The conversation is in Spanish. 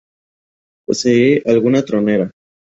Posee alguna tronera.